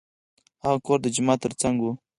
هغه کور د جومات تر څنګ و.